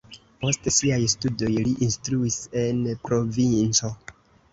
Post siaj studoj li instruis en provinco.